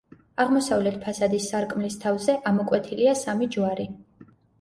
აღმოსავლეთ ფასადის სარკმლის თავზე ამოკვეთილია სამი ჯვარი.